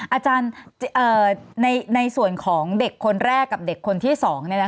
อาจารย์ในส่วนของเด็กคนแรกกับเด็กคนที่๒